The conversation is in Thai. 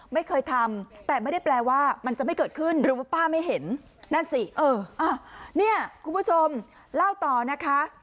ไม่เคยทำแต่ไม่ได้แปลว่ามันจะไม่เกิดขึ้นหรือว่าป้าไม่เห็นนั่นสิเออเนี่ยคุณผู้ชมเล่าต่อนะคะ